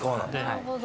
なるほど。